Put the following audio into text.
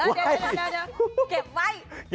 เดี๋ยวเก็บไว้